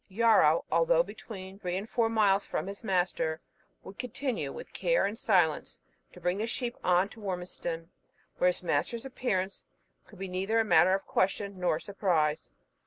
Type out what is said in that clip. Yarrow, although between three and four miles from his master, would continue, with care and silence, to bring the sheep onward to Wormiston, where his master's appearance could be neither a matter of question nor surprise.